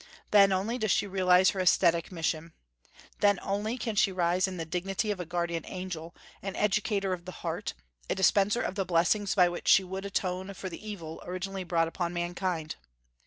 Then only does she realize her aesthetic mission. Then only can she rise in the dignity of a guardian angel, an educator of the heart, a dispenser of the blessings by which she would atone for the evil originally brought upon mankind.